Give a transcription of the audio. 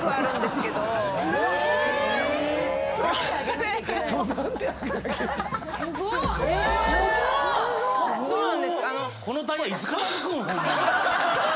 すごいな！